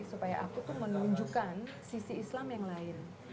supaya aku tuh menunjukkan sisi islam yang lain